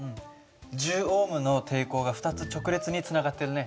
１０Ωの抵抗が２つ直列につながってるね。